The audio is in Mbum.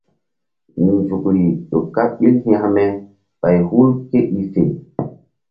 Nzukri ƴo kaɓ ɓil hekme ɓay hul ké i fe.